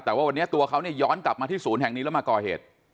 แต่ว่าวันนี้ตัวเขาเนี่ยย้อนกลับมาที่ศูนย์แห่งนี้แล้วมาก่อเหตุ